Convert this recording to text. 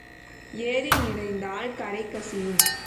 ஏரி நிறைந்தால் கரை கசியும்.